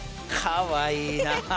かわいいな。